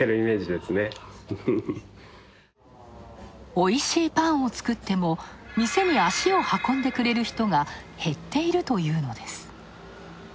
おいしいパンを作っても、店に足を運んでくれる人が減っているというのです。